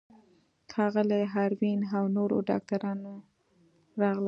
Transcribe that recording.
ښاغلی آرین او نورو ډاکټرانو راغلل.